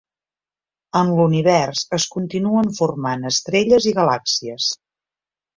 En l'Univers es continuen formant estrelles i galàxies.